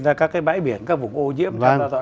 ra các cái bãi biển các vùng ô nhiễm